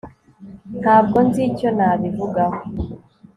Ntabwo nzi icyo nabivugaho